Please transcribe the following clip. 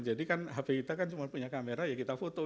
jadi kan hp kita kan cuma punya kamera ya kita foto